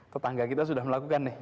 tetangga kita sudah melakukan nih